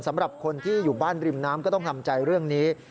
สำหรับคนที่อยู่บ้านริมน้ำก็ต้องทำใจเรื่องนี้